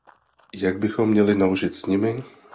Jak bychom měli naložit s nimi?